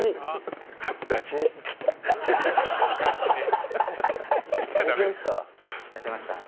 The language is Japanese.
「ガチ寝」寝てましたね。